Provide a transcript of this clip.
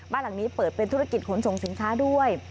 บ้านหลังนี้เปิดเป็นธุรกิจขนส่งสินค้าด้วย